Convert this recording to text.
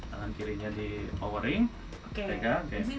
tangan kirinya di powering